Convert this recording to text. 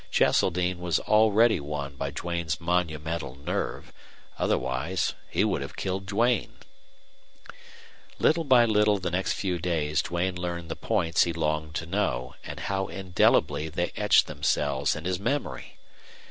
Cheseldine was already won by Duane's monumental nerve; otherwise he would have killed Duane. Little by little the next few days Duane learned the points he longed to know; and how indelibly they etched themselves in his memory!